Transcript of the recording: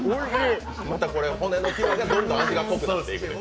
骨の際がどんどん味が濃くなっていくと？